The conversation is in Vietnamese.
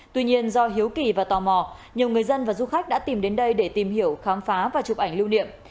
tuy nhiên do hiếu kỳ và tò mò nhiều người dân và du khách đã tìm đến đây để tìm hiểu khám phá và chụp ảnh lưu niệm